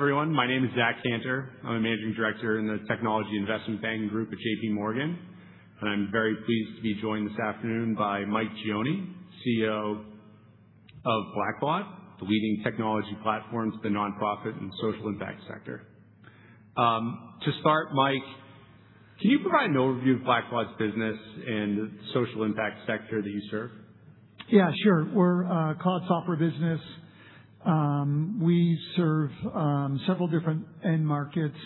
Hello, everyone. My name is Zach Canter. I'm a Managing Director in the technology investment banking group at JPMorgan, and I'm very pleased to be joined this afternoon by Mike Gianoni, CEO of Blackbaud, the leading technology platform to the nonprofit and social impact sector. To start, Mike, can you provide an overview of Blackbaud's business and the social impact sector that you serve? Yeah, sure. We're a cloud software business. We serve several different end markets,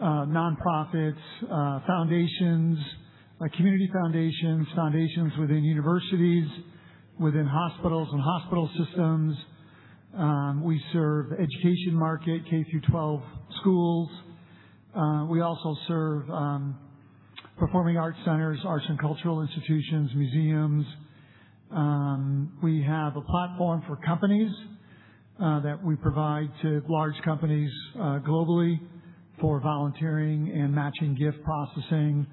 nonprofits, foundations, community foundations within universities, within hospitals and hospital systems. We serve education market, K-12 schools. We also serve performing arts centers, arts and cultural institutions, museums. We have a platform for companies that we provide to large companies globally for volunteering and matching gift processing.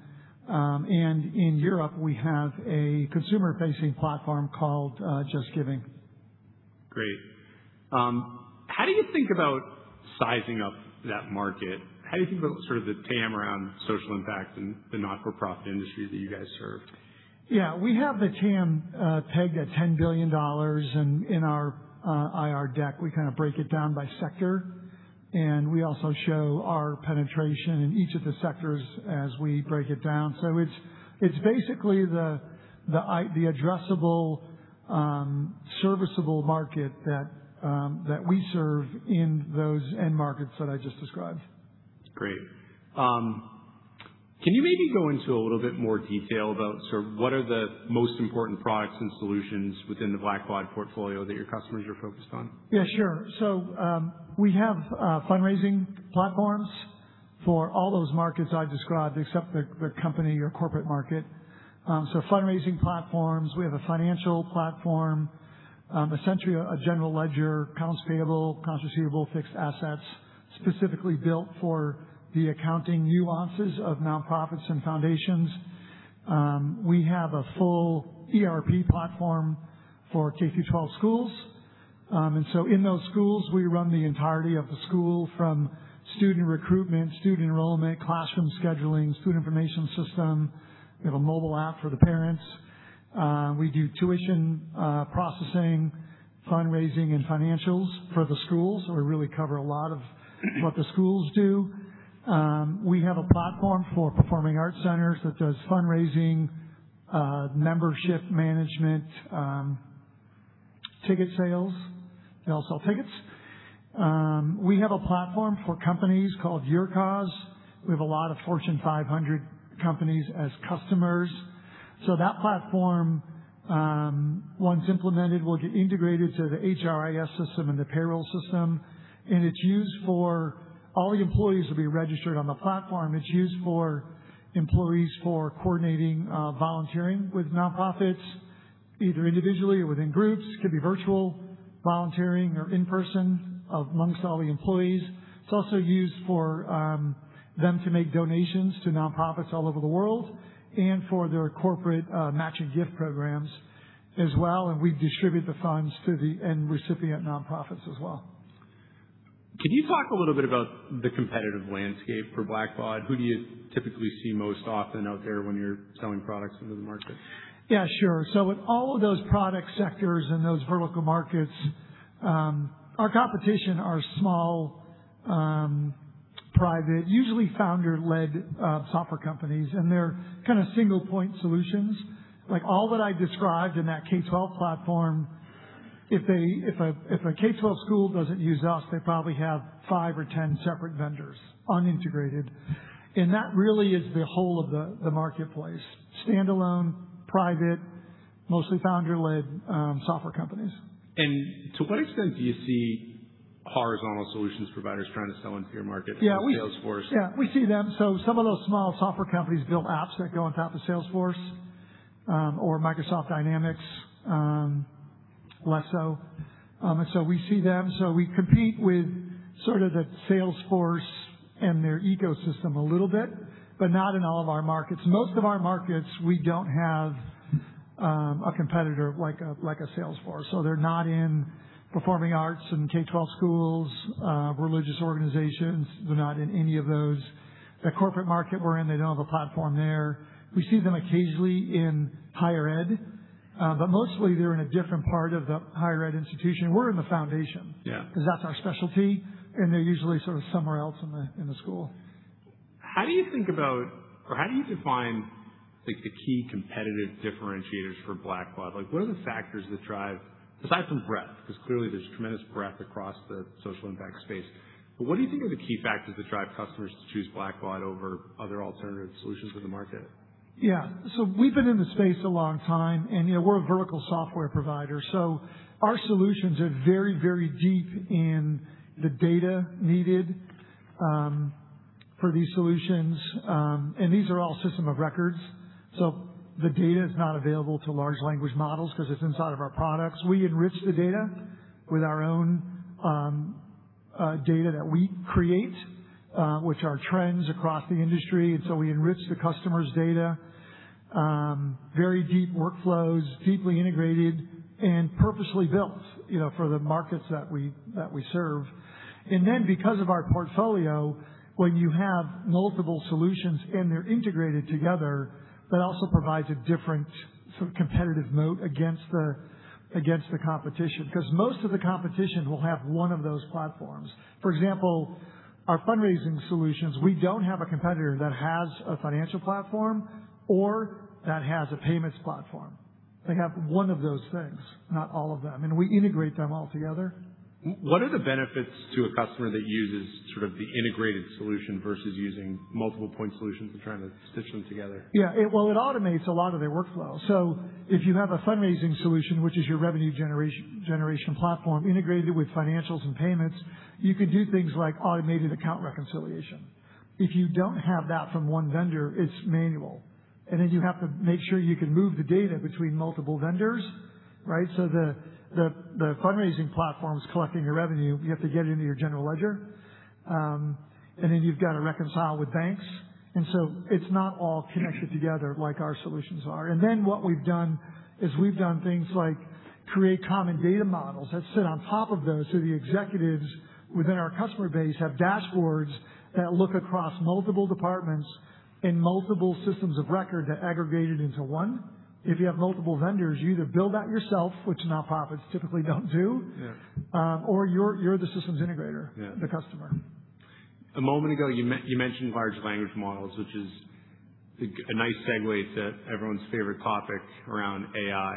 In Europe, we have a consumer-facing platform called JustGiving. Great. How do you think about sizing up that market? How do you think about sort of the TAM around social impact and the not-for-profit industry that you guys serve? Yeah. We have the TAM pegged at $10 billion in our IR deck. We kind of break it down by sector, we also show our penetration in each of the sectors as we break it down. It's basically the addressable serviceable market that we serve in those end markets that I just described. Great. Can you maybe go into a little bit more detail about sort of what are the most important products and solutions within the Blackbaud portfolio that your customers are focused on? Yeah, sure. We have fundraising platforms for all those markets I described except the company or corporate market. Fundraising platforms. We have a financial platform, essentially a general ledger, accounts payable, accounts receivable, fixed assets, specifically built for the accounting nuances of nonprofits and foundations. We have a full ERP platform for K-12 schools. In those schools, we run the entirety of the school from student recruitment, student enrollment, classroom scheduling, student information system. We have a mobile app for the parents. We do tuition processing, fundraising, and financials for the schools. We really cover a lot of what the schools do. We have a platform for performing arts centers that does fundraising, membership management, ticket sales. They all sell tickets. We have a platform for companies called YourCause. We have a lot of Fortune 500 companies as customers. That platform, once implemented, will get integrated to the HRIS system and the payroll system, and it's used for all the employees will be registered on the platform. It's used for employees for coordinating volunteering with nonprofits, either individually or within groups. It could be virtual volunteering or in-person amongst all the employees. It's also used for them to make donations to nonprofits all over the world and for their corporate matching gift programs as well, and we distribute the funds to the end recipient nonprofits as well. Can you talk a little bit about the competitive landscape for Blackbaud? Who do you typically see most often out there when you're selling products into the market? Yeah, sure. With all of those product sectors and those vertical markets, our competition are small, private, usually founder-led, software companies, and they're kind of single point solutions. Like, all that I described in that K-12 platform, if a K-12 school doesn't use us, they probably have five or 10 separate vendors, unintegrated. That really is the whole of the marketplace. Standalone, private, mostly founder-led, software companies. To what extent do you see horizontal solutions providers trying to sell into your market? Yeah. Like a Salesforce? Yeah, we see them. Some of those small software companies build apps that go on top of Salesforce or Microsoft Dynamics, less so. We see them. We compete with sort of the Salesforce and their ecosystem a little bit, but not in all of our markets. Most of our markets, we don't have a competitor like a Salesforce. They're not in performing arts and K-12 schools, religious organizations. They're not in any of those. The corporate market we're in, they don't have a platform there. We see them occasionally in higher ed, but mostly they're in a different part of the higher ed institution. We're in the foundation- Yeah. Because that's our specialty, and they're usually sort of somewhere else in the, in the school. How do you think about or how do you define, like, the key competitive differentiators for Blackbaud? What are the factors that drive, aside from breadth, because clearly there's tremendous breadth across the social impact space. What do you think are the key factors that drive customers to choose Blackbaud over other alternative solutions in the market? Yeah. We've been in the space a long time, and, you know, we're a vertical software provider, so our solutions are very, very deep in the data needed for these solutions. These are all system of records, so the data is not available to large language models because it's inside of our products. We enrich the data with our own data that we create, which are trends across the industry, we enrich the customer's data. Very deep workflows, deeply integrated, and purposely built, you know, for the markets that we serve. Because of our portfolio, when you have multiple solutions and they're integrated together, that also provides a different sort of competitive moat against the competition. Most of the competition will have one of those platforms. For example, our fundraising solutions, we don't have a competitor that has a financial platform or that has a payments platform. They have one of those things, not all of them, and we integrate them all together. What are the benefits to a customer that uses sort of the integrated solution versus using multiple point solutions and trying to stitch them together? Well, it automates a lot of their workflow. If you have a fundraising solution, which is your revenue generation platform integrated with financials and payments, you could do things like automated account reconciliation. If you don't have that from one vendor, it's manual, you have to make sure you can move the data between multiple vendors, right? The fundraising platform is collecting your revenue, you have to get into your general ledger, you've got to reconcile with banks. It's not all connected together like our solutions are. What we've done is we've done things like create common data models that sit on top of those, the executives within our customer base have dashboards that look across multiple departments and multiple systems of record that aggregated into one. If you have multiple vendors, you either build that yourself, which nonprofits typically don't do. Yeah. You're the systems integrator. Yeah. The customer. A moment ago you mentioned large language models, which is a nice segue to everyone's favorite topic around AI.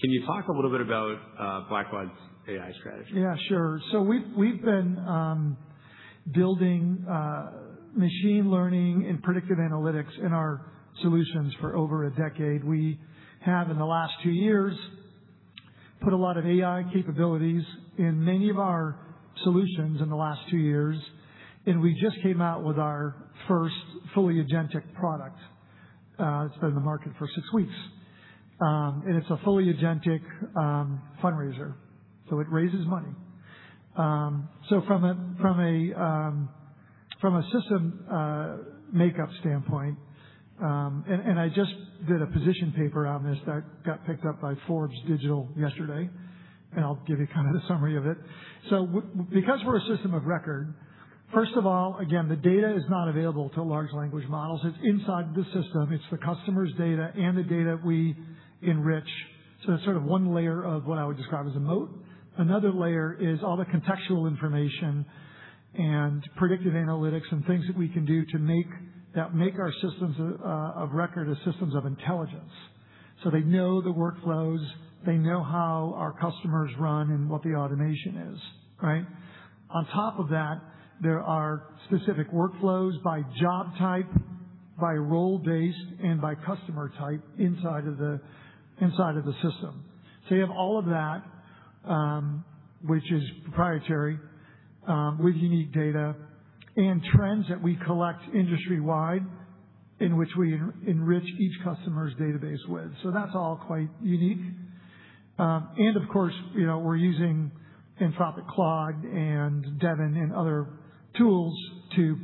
Can you talk a little bit about Blackbaud's AI strategy? Yeah, sure. We've been building machine learning and predictive analytics in our solutions for over a decade. We have, in the last two years, put a lot of AI capabilities in many of our solutions in the last two years, and we just came out with our first fully agentic product. It's been in the market for six weeks. It's a fully agentic fundraiser, so it raises money. From a, from a, from a system makeup standpoint, I just did a position paper on this that got picked up by Forbes Digital yesterday, and I'll give you kind of the summary of it. Because we're a system of record, first of all, again, the data is not available to large language models. It's inside the system. It's the customer's data and the data we enrich. That's sort of one layer of what I would describe as a moat. Another layer is all the contextual information and predictive analytics and things that we can do that make our systems of record as systems of intelligence. They know the workflows, they know how our customers run and what the automation is, right? On top of that, there are specific workflows by job type, by role base, and by customer type inside of the system. You have all of that, which is proprietary, with unique data and trends that we collect industry-wide, in which we enrich each customer's database with. That's all quite unique. Of course, you know, we're using Anthropic Claude and Devin and other tools to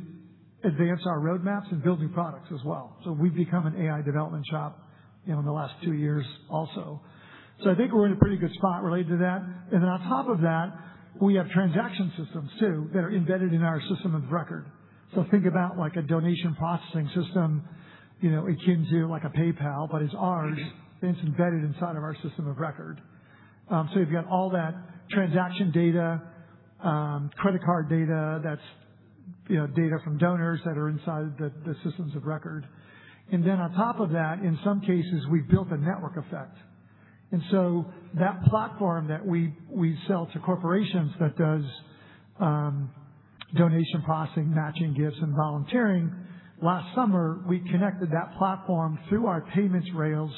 advance our roadmaps and build new products as well. We've become an AI development shop, you know, in the last two years also. I think we're in a pretty good spot related to that. On top of that, we have transaction systems too, that are embedded in our system of record. Think about like a donation processing system, you know, akin to like a PayPal, but it's ours, and it's embedded inside of our system of record. You've got all that transaction data, credit card data that's, you know, data from donors that are inside the systems of record. On top of that, in some cases, we've built a network effect. That platform that we sell to corporations that does donation processing, matching gifts, and volunteering, last summer, we connected that platform through our payments rails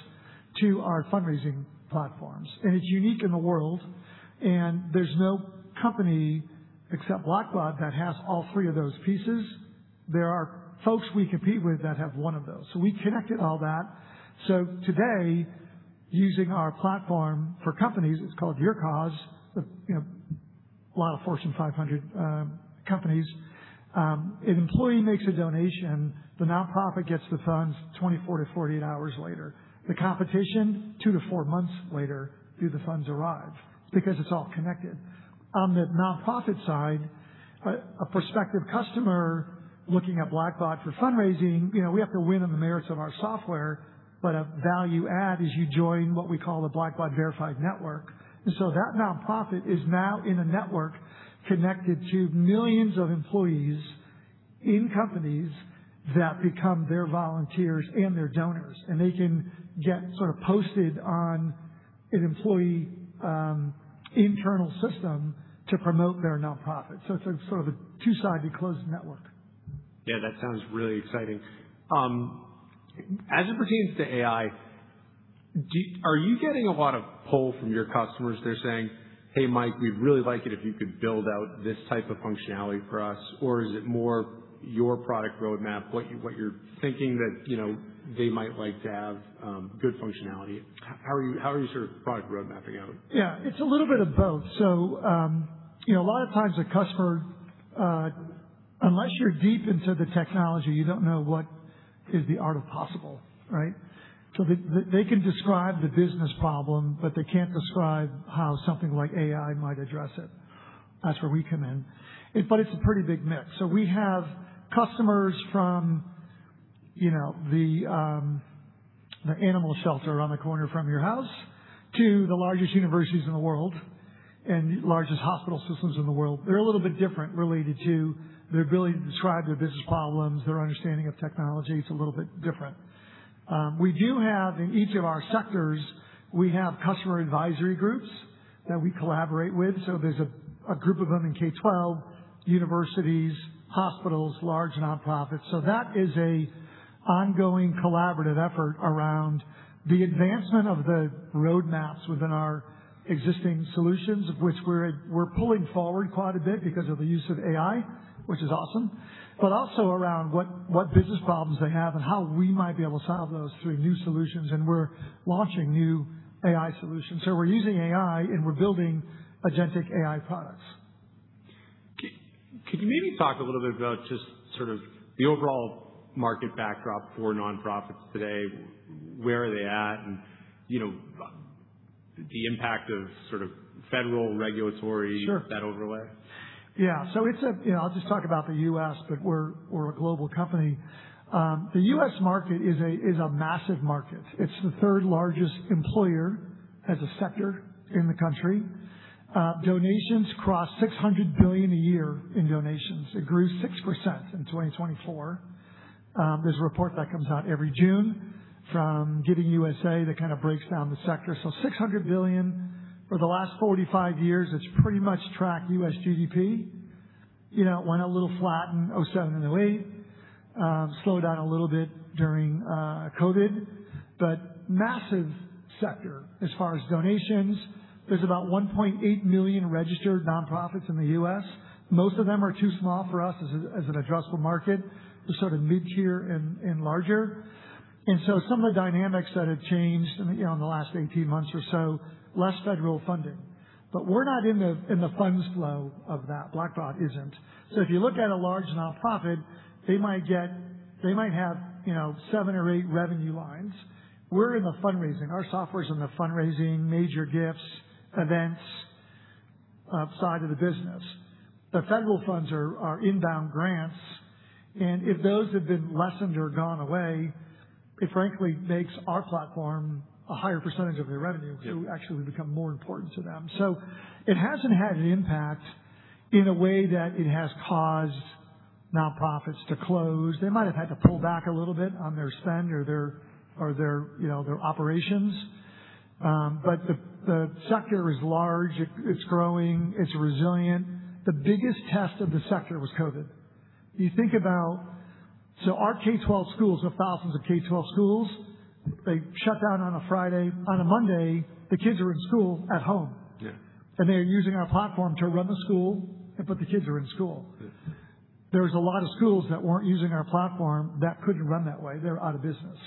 to our fundraising platforms. It's unique in the world, there's no company except Blackbaud that has all three of those pieces. There are folks we compete with that have one of those. We connected all that. Today, using our platform for companies, it's called YourCause, you know, a lot of Fortune 500 companies, an employee makes a donation, the nonprofit gets the funds 24 to 48 hours later. The competition, two to four months later, do the funds arrive because it's all connected. On the nonprofit side, a prospective customer looking at Blackbaud for fundraising, you know, we have to win on the merits of our software, but a value add is you join what we call the Blackbaud Verified Network. That nonprofit is now in a network connected to millions of employees in companies that become their volunteers and their donors, and they can get sort of posted on an employee internal system to promote their nonprofit. It's a sort of a two-sided closed network. Yeah, that sounds really exciting. As it pertains to AI, are you getting a lot of pull from your customers that are saying, "Hey, Mike, we'd really like it if you could build out this type of functionality for us?" Or is it more your product roadmap, what you're thinking that, you know, they might like to have good functionality? How are you sort of product roadmapping out? It's a little bit of both. You know, a lot of times a customer, unless you're deep into the technology, you don't know what is the art of possible, right? They can describe the business problem, but they can't describe how something like AI might address it. That's where we come in. It's a pretty big mix. We have customers from, you know, the animal shelter around the corner from your house to the largest universities in the world and largest hospital systems in the world. They're a little bit different related to their ability to describe their business problems, their understanding of technology. It's a little bit different. We do have in each of our sectors, we have customer advisory groups that we collaborate with. There's a group of them in K-12, universities, hospitals, large nonprofits. That is a ongoing collaborative effort around the advancement of the roadmaps within our existing solutions, of which we're pulling forward quite a bit because of the use of AI, which is awesome. Also around what business problems they have and how we might be able to solve those through new solutions. We're launching new AI solutions. We're using AI, and we're building agentic AI products. Could you maybe talk a little bit about just sort of the overall market backdrop for nonprofits today? Where are they at? you know, the impact of sort of federal regulatory. Sure. That overlay. Yeah. You know, I'll just talk about the U.S., but we're a global company. The U.S. market is a massive market. It's the third-largest employer as a sector in the country. Donations cross $600 billion a year in donations. It grew 6% in 2024. There's a report that comes out every June from Giving USA that kind of breaks down the sector. $600 billion. For the last 45 years, it's pretty much tracked U.S. GDP. You know, it went a little flat in 2007 and 2008. Slowed down a little bit during COVID. Massive sector as far as donations. There's about 1.8 million registered nonprofits in the U.S. Most of them are too small for us as an addressable market. The sort of mid-tier and larger. Some of the dynamics that have changed in, you know, in the last 18 months or so, less federal funding. We're not in the, in the funds flow of that. Blackbaud isn't. If you look at a large nonprofit, they might have, you know, seven or eight revenue lines. We're in the fundraising. Our software's in the fundraising, major gifts, events, side of the business. The federal funds are inbound grants, and if those have been lessened or gone away, it frankly makes our platform a higher percentage of their revenue. Yeah. We actually become more important to them. It hasn't had an impact in a way that it has caused nonprofits to close. They might have had to pull back a little bit on their spend or their, you know, their operations. The sector is large. It's growing. It's resilient. The biggest test of the sector was COVID. Our K-12 schools are thousands of K-12 schools. They shut down on a Friday. On a Monday, the kids are in school at home. Yeah. They are using our platform to run the school, and but the kids are in school. Yeah. There was a lot of schools that weren't using our platform that couldn't run that way. They're out of business.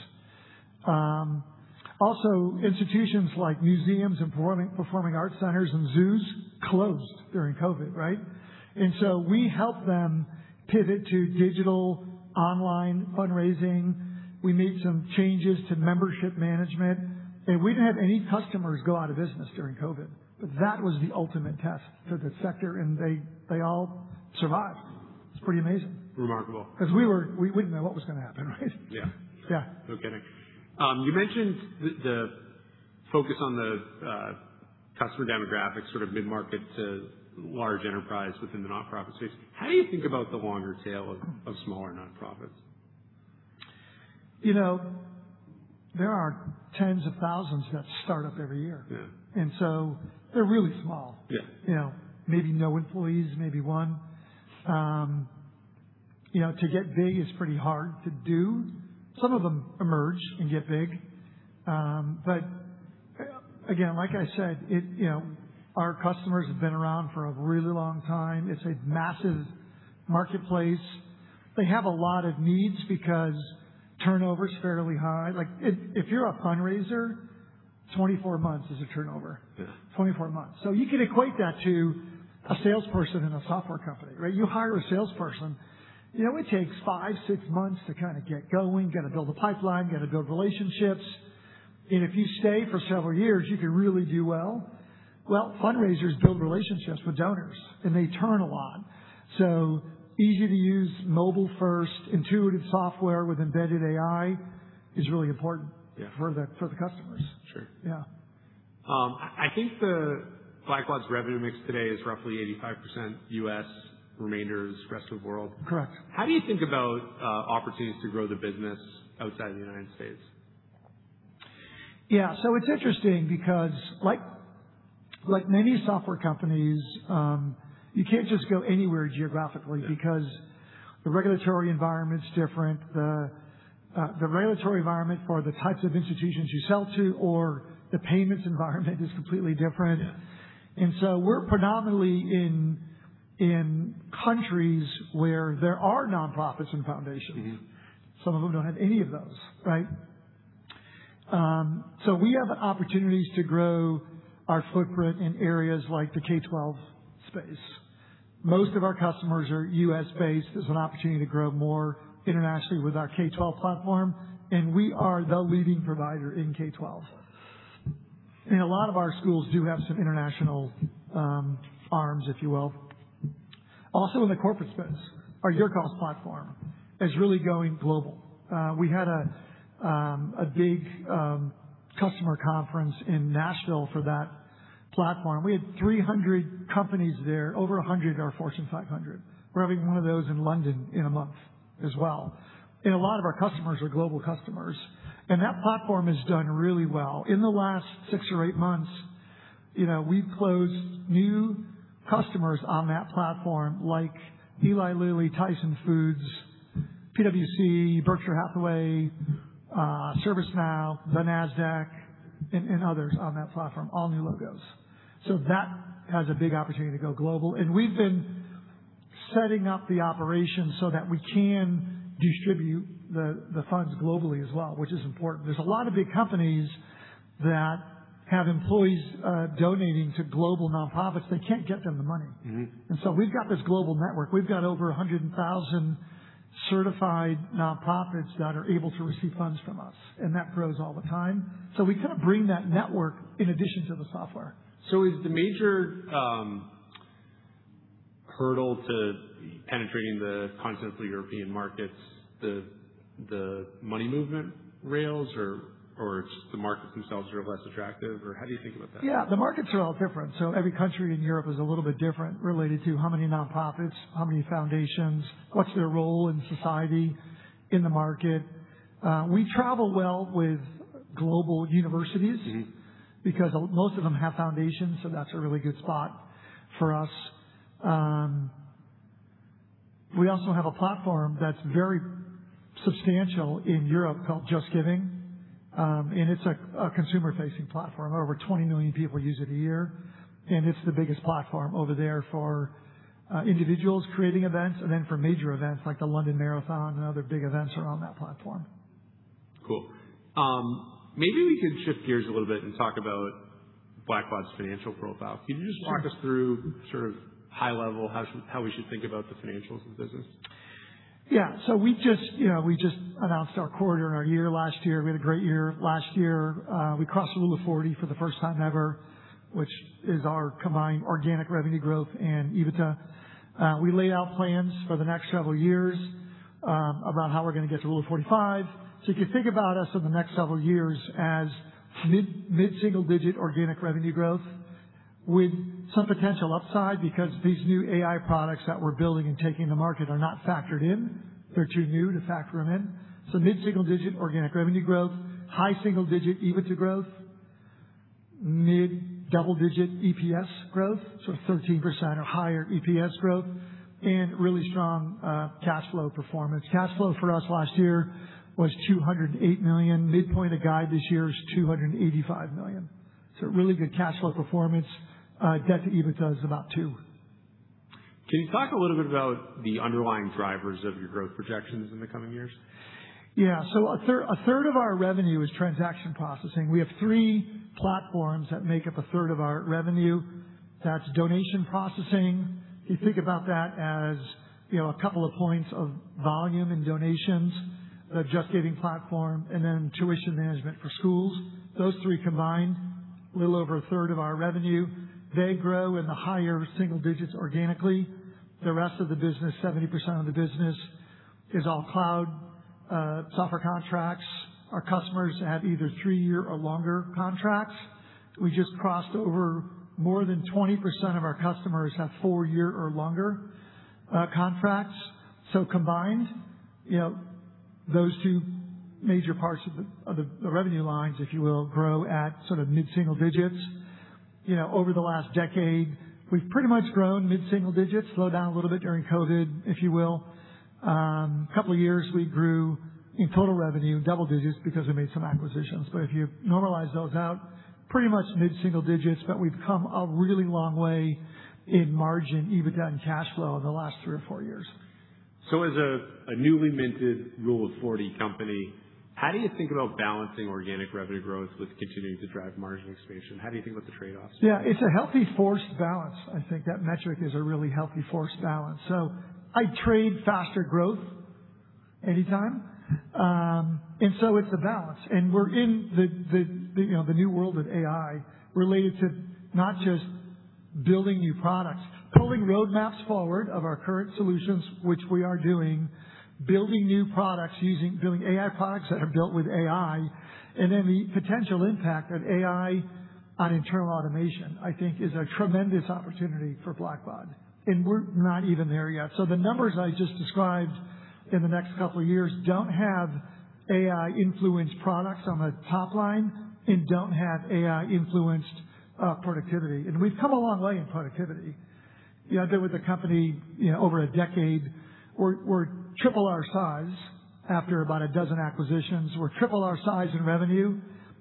Also, institutions like museums and performing art centers and zoos closed during COVID. We helped them pivot to digital online fundraising. We made some changes to membership management. We didn't have any customers go out of business during COVID. That was the ultimate test to the sector. They all survived. It's pretty amazing. Remarkable. We didn't know what was gonna happen, right? Yeah. Yeah. No kidding. You mentioned the focus on the customer demographics, sort of mid-market to large enterprise within the nonprofit space. How do you think about the longer tail of smaller nonprofits? You know, there are tens of thousands that start up every year. Yeah. They're really small. Yeah. You know, maybe no employees, maybe one. You know, to get big is pretty hard to do. Some of them emerge and get big. Again, like I said, it, you know, our customers have been around for a really long time. It's a massive marketplace. They have a lot of needs because turnover is fairly high. Like, if you're a fundraiser, 24 months is a turnover. Yeah. 24 months. You can equate that to a salesperson in a software company, right? You hire a salesperson, you know, it takes five, six months to kind of get going, gotta build a pipeline, gotta build relationships. If you stay for several years, you can really do well. Well, fundraisers build relationships with donors, and they turn a lot. Easy-to-use, mobile-first, intuitive software with embedded AI is really important. Yeah. For the customers. Sure. Yeah. I think the Blackbaud's revenue mix today is roughly 85% U.S., remainder is rest of the world. Correct. How do you think about opportunities to grow the business outside of the United States? Yeah. It's interesting because like many software companies, you can't just go anywhere geographically. Yeah. The regulatory environment's different. The regulatory environment for the types of institutions you sell to or the payments environment is completely different. Yeah. We're predominantly in countries where there are nonprofits and foundations. Some of them don't have any of those, right. We have opportunities to grow our footprint in areas like the K-12 space. Most of our customers are U.S.-based. There's an opportunity to grow more internationally with our K-12 platform. We are the leading provider in K-12. A lot of our schools do have some international arms, if you will. Also in the corporate space, our YourCause platform is really going global. We had a big customer conference in Nashville for that platform. We had 300 companies there. Over 100 are Fortune 500. We're having one of those in London in a month as well. A lot of our customers are global customers, and that platform has done really well. In the last six or eight months, you know, we've closed new customers on that platform like Eli Lilly, Tyson Foods, PwC, Berkshire Hathaway, ServiceNow, the Nasdaq, and others on that platform, all new logos. That has a big opportunity to go global. We've been setting up the operations so that we can distribute the funds globally as well, which is important. There's a lot of big companies that have employees donating to global nonprofits. They can't get them the money. We've got this global network. We've got over 100,000 certified nonprofits that are able to receive funds from us, and that grows all the time. We kind of bring that network in addition to the software. Is the major hurdle to penetrating the continental European markets the money movement rails or it's the markets themselves are less attractive, or how do you think about that? Yeah, the markets are all different, so every country in Europe is a little bit different related to how many nonprofits, how many foundations, what's their role in society, in the market. We travel well with global universities because most of them have foundations, so that's a really good spot for us. We also have a platform that's very substantial in Europe called JustGiving. It's a consumer-facing platform. Over 20 million people use it a year, and it's the biggest platform over there for individuals creating events and then for major events like the London Marathon and other big events are on that platform. Cool. Maybe we can shift gears a little bit and talk about Blackbaud's financial profile. Can you just walk us through sort of high level how we should think about the financials of the business? Yeah. We just, you know, we just announced our quarter and our year last year. We had a great year last year. We crossed the Rule of 40 for the first time ever, which is our combined organic revenue growth and EBITDA. We laid out plans for the next several years about how we're gonna get to Rule of 45. If you think about us in the next several years as mid-single-digit organic revenue growth with some potential upside because these new AI products that we're building and taking to market are not factored in. They're too new to factor them in. Mid-single-digit organic revenue growth, high single-digit EBITDA growth, mid double-digit EPS growth, so 13% or higher EPS growth, and really strong cash flow performance. Cash flow for us last year was $208 million. Midpoint of guide this year is $285 million. Really good cash flow performance. Debt to EBITDA is about 2x. Can you talk a little bit about the underlying drivers of your growth projections in the coming years? Yeah. A third of our revenue is transaction processing. We have three platforms that make up a third of our revenue. That's donation processing. You think about that as, you know, a couple of points of volume in donations, the JustGiving platform, and then tuition management for schools. Those three combined, a little over 1/3 of our revenue. They grow in the higher single digits organically. The rest of the business, 70% of the business is all cloud software contracts. Our customers have either three-year or longer contracts. We just crossed over more than 20% of our customers have four-year or longer contracts. Combined, you know, those two major parts of the revenue lines, if you will, grow at sort of mid-single digits. You know, over the last decade, we've pretty much grown mid-single digits. Slowed down a little bit during COVID, if you will. Couple of years we grew in total revenue double digits because we made some acquisitions. If you normalize those out, pretty much mid-single digits. We've come a really long way in margin, EBITDA, and cash flow in the last three or four years. As a newly minted Rule of 40 company, how do you think about balancing organic revenue growth with continuing to drive margin expansion? How do you think about the trade-offs? Yeah. It's a healthy forced balance. I think that metric is a really healthy forced balance. I trade faster growth anytime. It's a balance. We're in the, you know, the new world of AI related to not just building new products, pulling roadmaps forward of our current solutions, which we are doing, building AI products that are built with AI, and then the potential impact of AI on internal automation, I think is a tremendous opportunity for Blackbaud, and we're not even there yet. The numbers I just described in the next couple of years don't have AI-influenced products on the top line and don't have AI-influenced productivity. We've come a long way in productivity. You know, I've been with the company, you know, over a decade. We're triple our size after about a dozen acquisitions. We're triple our size in revenue,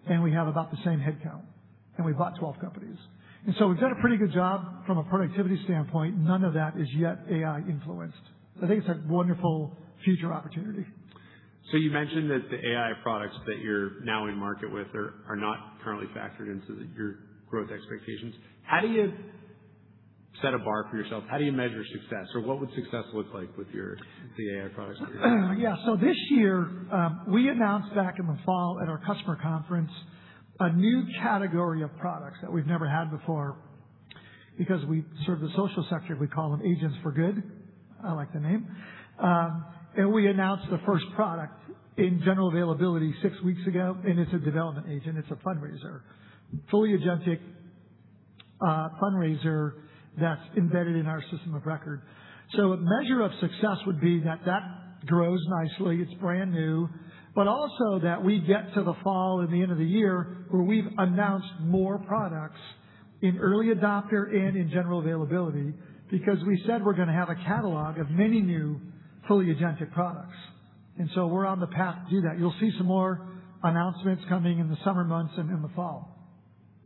and we have about the same headcount. We bought 12 companies. We've done a pretty good job from a productivity standpoint. None of that is yet AI influenced. I think it's a wonderful future opportunity. You mentioned that the AI products that you're now in market with are not currently factored into your growth expectations. How do you set a bar for yourself? How do you measure success? Or what would success look like with the AI products for your company? Yeah. This year, we announced back in the fall at our customer conference a new category of products that we've never had before because we serve the social sector, we call them Agents for Good. I like the name. We announced the first product in general availability six weeks ago, and it's a development agent. It's a fundraiser, fully agentic, fundraiser that's embedded in our system of record. A measure of success would be that that grows nicely. It's brand new, also that we get to the fall and the end of the year where we've announced more products in early adopter and in general availability because we said we're gonna have a catalog of many new fully agentic products. We're on the path to do that. You'll see some more announcements coming in the summer months and in the fall.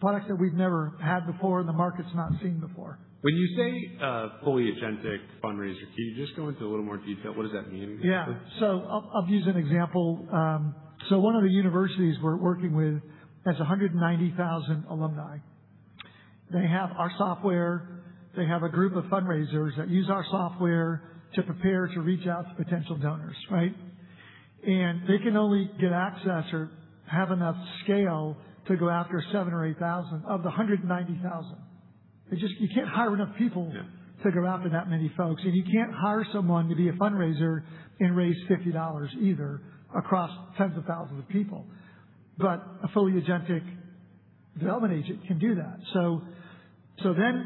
Products that we've never had before and the market's not seen before. When you say, fully agentic fundraiser, can you just go into a little more detail? What does that mean exactly? I'll use an example. One of the universities we're working with has 190,000 alumni. They have our software. They have a group of fundraisers that use our software to prepare to reach out to potential donors, right? They can only get access or have enough scale to go after 7,000 or 8,000 of the 190,000. It's just you can't hire enough people Yeah. To go after that many folks. You can't hire someone to be a fundraiser and raise $50 either across tens of thousands of people. A fully agentic development agent can do that.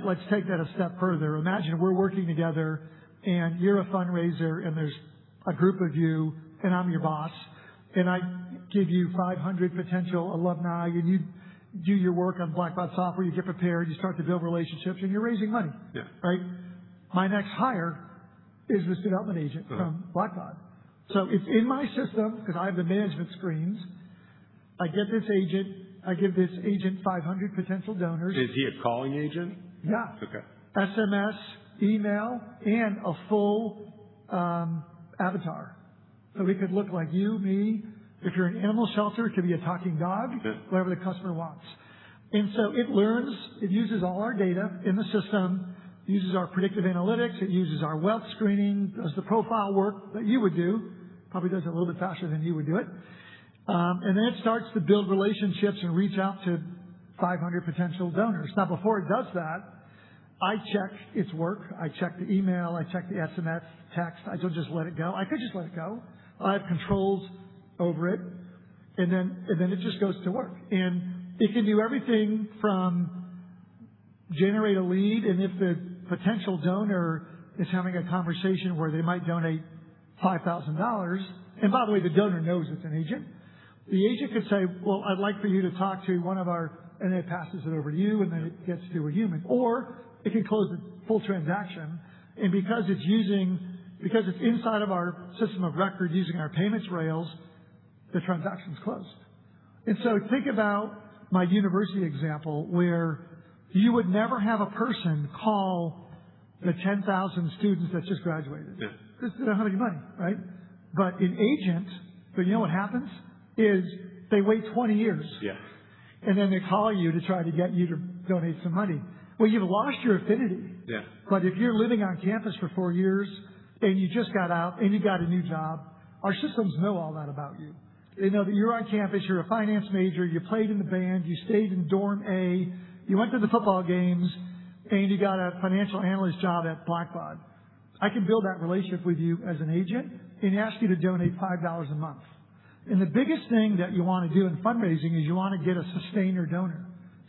Let's take that a step further. Imagine we're working together and you're a fundraiser and there's a group of you and I'm your boss, and I give you 500 potential alumni, and you do your work on Blackbaud software. You get prepared, you start to build relationships, and you're raising money. Yeah. Right? My next hire is this development agent from Blackbaud. It's in my system because I have the management screens. I get this agent, I give this agent 500 potential donors. Is he a calling agent? Yeah. Okay. SMS, email, and a full avatar. He could look like you, me. If you're an animal shelter, it could be a talking dog. Yeah. Whatever the customer wants. It learns. It uses all our data in the system, uses our predictive analytics, it uses our wealth screening. Does the profile work that you would do, probably does it a little bit faster than you would do it. Then it starts to build relationships and reach out to 500 potential donors. Now, before it does that, I check its work, I check the email, I check the SMS text. I don't just let it go. I could just let it go. I have controls over it. Then it just goes to work. It can do everything from generate a lead. If the potential donor is having a conversation where they might donate $5,000, and by the way, the donor knows it's an agent, the agent could say, "Well, I'd like for you to talk to one of our" And it passes it over to you, and then it gets to a human, or it can close the full transaction. Because it's inside of our system of record, using our payments rails, the transaction's closed. So think about my university example, where you would never have a person call the 10,000 students that just graduated. Yeah. They don't have any money, right? But in agent, you know what happens? Is they wait 20 years. Yeah. They call you to try to get you to donate some money. Well, you've lost your affinity. Yeah. If you're living on campus for four years and you just got out and you got a new job, our systems know all that about you. They know that you're on campus, you're a finance major, you played in the band, you stayed in dorm A, you went to the football games, and you got a financial analyst job at Blackbaud. I can build that relationship with you as an agent and ask you to donate $5 a month. The biggest thing that you wanna do in fundraising is you wanna get a sustainer donor,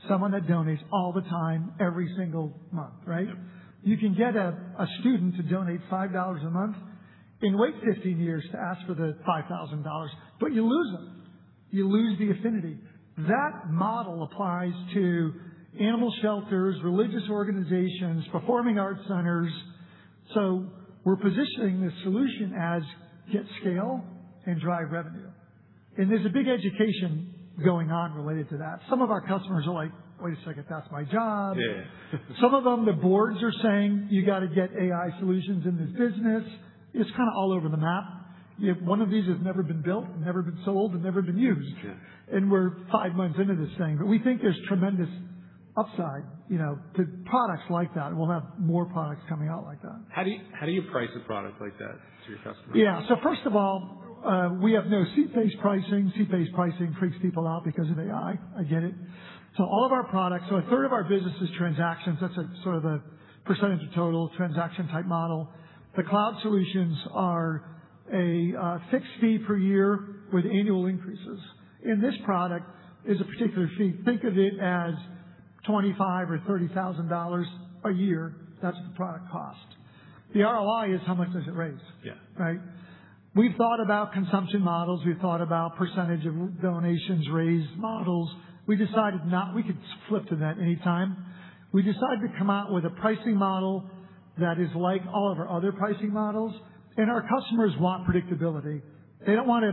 someone that donates all the time, every single month, right? Yeah. You can get a student to donate $5 a month and wait 15 years to ask for the $5,000, but you lose them. You lose the affinity. That model applies to animal shelters, religious organizations, performing arts centers. We're positioning this solution as get scale and drive revenue. There's a big education going on related to that. Some of our customers are like, "Wait a second, that's my job." Yeah. Some of them, the boards are saying, "You gotta get AI solutions in this business." It's kinda all over the map. You have one of these that's never been built, never been sold, and never been used. Yeah. We're five months into this thing, but we think there's tremendous upside, you know, to products like that. We'll have more products coming out like that. How do you price a product like that to your customers? Yeah. First of all, we have no seat-based pricing. Seat-based pricing freaks people out because of AI. I get it. All of our products, so 1/3 of our business is transactions. That's a sort of a percentage of total transaction type model. The cloud solutions are a fixed fee per year with annual increases. This product is a particular fee. Think of it as $25,000 or $30,000 a year. That's the product cost. The ROI is how much does it raise? Yeah. Right? We thought about consumption models. We thought about percentage of donations raised models. We decided not. We could flip to that anytime. We decided to come out with a pricing model that is like all of our other pricing models. Our customers want predictability. They don't wanna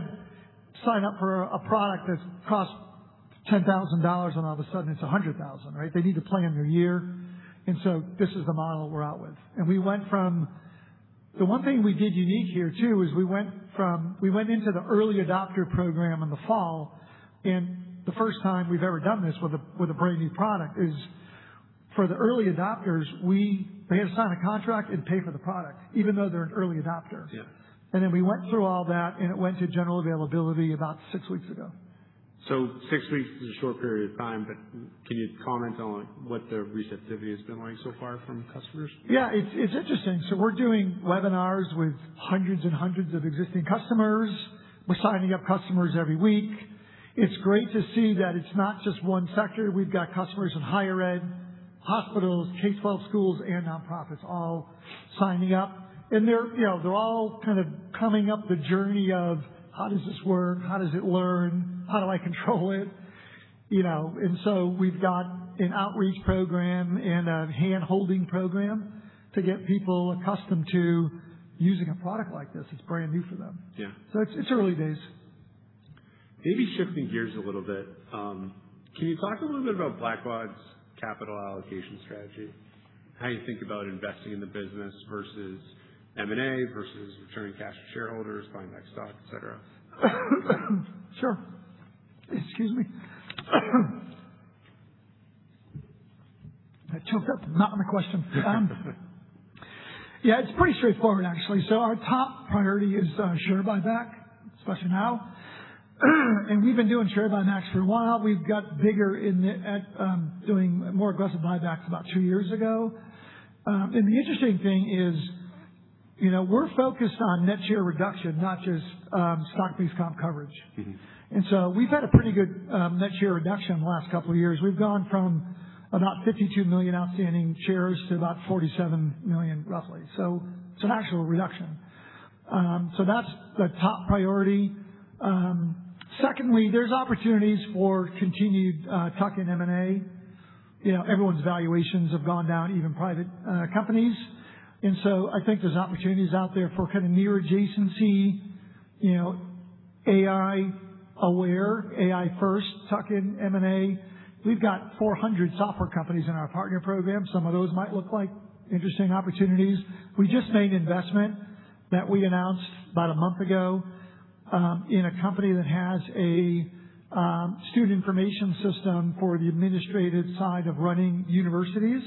sign up for a product that costs $10,000 and all of a sudden it's $100,000, right? They need to plan their year. This is the model we're out with. The one thing we did unique here too, is we went into the early adopter program in the fall, and the first time we've ever done this with a brand new product is for the early adopters, they had to sign a contract and pay for the product even though they're an early adopter. Yeah. We went through all that, and it went to general availability about six weeks ago. Six weeks is a short period of time, but can you comment on what the receptivity has been like so far from customers? Yeah. It's interesting. We're doing webinars with hundreds and hundreds of existing customers. We're signing up customers every week. It's great to see that it's not just one sector. We've got customers in higher ed, hospitals, K-12 schools, and nonprofits all signing up. They're, you know, they're all kind of coming up the journey of how does this work, how does it learn, how do I control it, you know. We've got an outreach program and a handholding program to get people accustomed to using a product like this. It's brand new for them. Yeah. It's early days. Maybe shifting gears a little bit, can you talk a little bit about Blackbaud's capital allocation strategy? How you think about investing in the business versus M&A versus returning cash to shareholders, buying back stock, et cetera? Sure. Excuse me. I choked up, not on the question. Yeah, it's pretty straightforward actually. Our top priority is share buyback, especially now. We've been doing share buybacks for a while. We've got bigger doing more aggressive buybacks about two years ago. The interesting thing is, you know, we're focused on net share reduction, not just stock-based comp coverage. We've had a pretty good net share reduction in the last couple of years. We've gone from about 52 million outstanding shares to about 47 million, roughly. It's an actual reduction. That's the top priority. Secondly, there's opportunities for continued tuck-in M&A. You know, everyone's valuations have gone down, even private companies. I think there's opportunities out there for kinda near adjacency, you know, AI Aware, AI first tuck-in M&A. We've got 400 software companies in our partner program. Some of those might look like interesting opportunities. We just made an investment that we announced about a month ago in a company that has a student information system for the administrative side of running universities.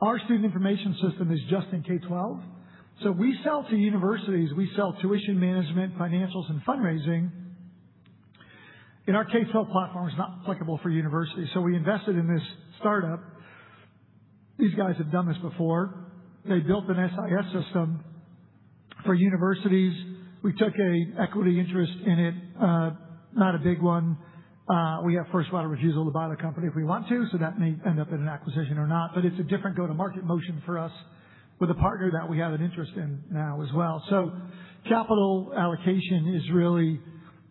Our student information system is just in K-12. We sell to universities. We sell tuition management, financials, and fundraising, and our K-12 platform is not applicable for universities, so we invested in this startup. These guys have done this before. They built an SIS system for universities. We took a equity interest in it, not a big one. We have first right of refusal to buy the company if we want to, so that may end up in an acquisition or not. It's a different go-to-market motion for us with a partner that we have an interest in now as well. Capital allocation is really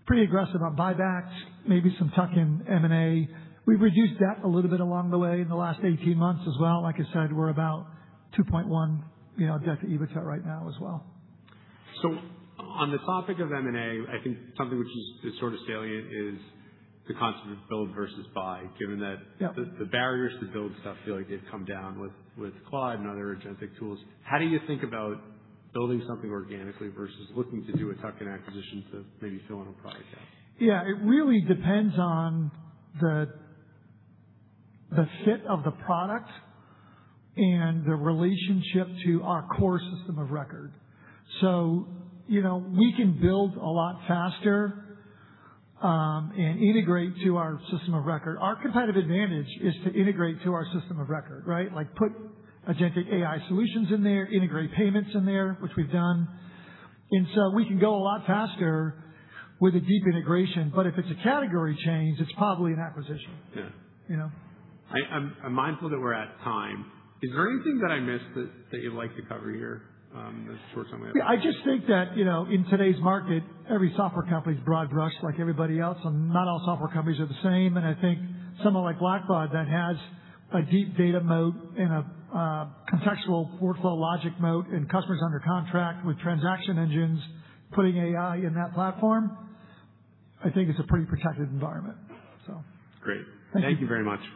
pretty aggressive on buybacks, maybe some tuck-in M&A. We've reduced debt a little bit along the way in the last 18 months as well. Like I said, we're about 2.1x, you know, debt to EBITDA right now as well. On the topic of M&A, I think something which is sort of salient is the concept of build versus buy. Yeah. The barriers to build stuff feel like they've come down with Claude and other agentic tools. How do you think about building something organically versus looking to do a tuck-in acquisition to maybe fill in a product gap? Yeah. It really depends on the fit of the product and the relationship to our core system of record. You know, we can build a lot faster and integrate to our system of record. Our competitive advantage is to integrate to our system of record, right? Like, put agentic AI solutions in there, integrate payments in there, which we've done. We can go a lot faster with a deep integration. If it's a category change, it's probably an acquisition. Yeah. You know. I'm mindful that we're at time. Is there anything that I missed that you'd like to cover here in the short time we have left? Yeah. I just think that, you know, in today's market, every software company is broad-brushed like everybody else, and not all software companies are the same. I think someone like Blackbaud that has a deep data moat and a contextual workflow logic moat and customers under contract with transaction engines putting AI in that platform, I think it's a pretty protected environment, so. Great. Thank you. Thank you very much.